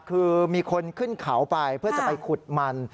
คือมีคนขึ้นเขาไปเพื่อจะไปขุดมัน